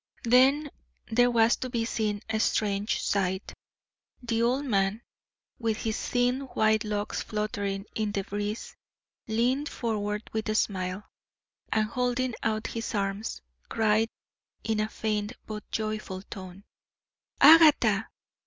Then there was to be seen a strange sight. The old man, with his thin white locks fluttering in the breeze, leaned forward with a smile, and holding out his arms, cried in a faint but joyful tone: "Agatha!"